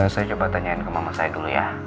saya coba tanyain ke mama saya dulu ya